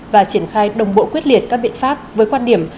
và triển khai đồng bộ quyết liệt các biện pháp với quan điểm